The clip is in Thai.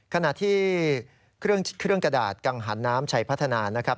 ขณะที่เครื่องกระดาษกังหาดน้ำชัยพัฒนา